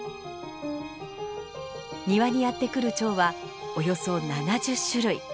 庭にやって来るチョウはおよそ７０種類。